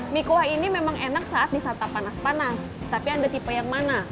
mie kuah ini memang enak saat disantap panas panas tapi anda tipe yang mana